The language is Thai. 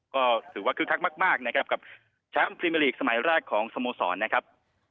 ก็ถือว่าคึกคักมากนะครับกับแชมป์พรีเมอร์ลีกสมัยแรกของสโมสรนะครับ